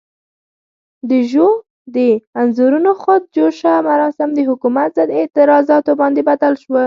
د ژو د انځورونو خود جوشه مراسم د حکومت ضد اعتراضاتو باندې بدل شول.